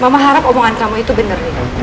mama harap omongan kamu itu benerin